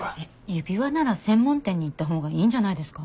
指輪なら専門店に行った方がいいんじゃないですか？